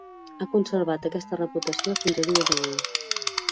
Ha conservat aquesta reputació fins a dia d'avui.